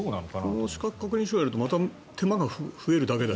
この資格確認書があるとまた手間が増えるだけだし。